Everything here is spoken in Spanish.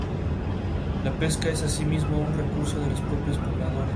La pesca es asimismo un recurso de los propios pobladores.